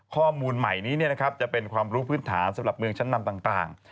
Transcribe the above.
ข้อมูลใหม่นี้จะเป็นความรู้พื้นฐานสำหรับเมืองชั้นนำต่าง